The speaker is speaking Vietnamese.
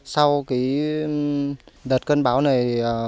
sau cái đợt cân báo này